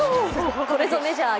これぞメジャー。